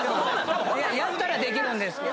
やったらできるんですけど。